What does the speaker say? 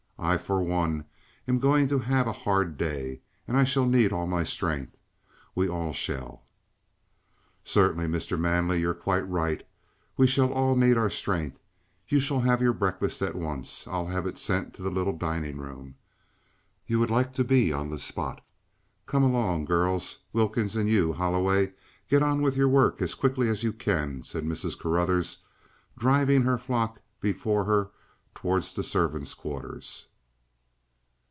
I for one am going to have a hard day, and I shall need all my strength. We all shall." "Certainly, Mr. Manley. You're quite right. We shall all need our strength. You shall have your breakfast at once. I'll have it sent to the little dining room. You would like to be on the spot. Come along, girls. Wilkins, and you, Holloway, get on with your work as quickly as you can," said Mrs. Carruthers, driving her flock before her towards the servants' quarters.